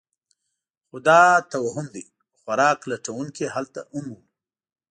خو دا توهم دی؛ خوراک لټونکي هلته هم وو.